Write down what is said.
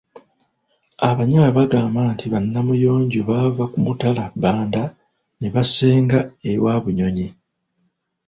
Abanyala bagamba nti ba Namuyonjo baava ku mutala Bbanda ne basenga e Wabunyonyi.